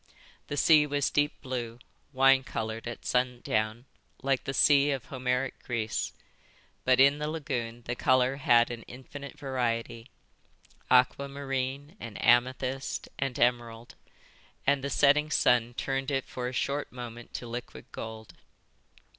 The sea was deep blue, wine coloured at sundown, like the sea of Homeric Greece; but in the lagoon the colour had an infinite variety, aquamarine and amethyst and emerald; and the setting sun turned it for a short moment to liquid gold.